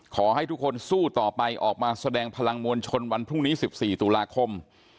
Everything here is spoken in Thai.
ขอให้ทุกคนสู้ต่อไปออกมาแสดงพลังมวลชนวันพรุ่งนี้๑๔ตุลาคม